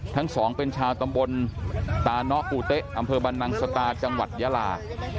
ทั้งสองเป็นชาวตำบลตาเนาะปูเต๊ะอำเภอบรรนังสตาจังหวัดยาลา